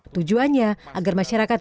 tujuannya agar masyarakat